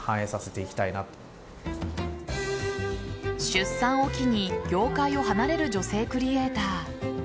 出産を機に業界を離れる女性クリエイター。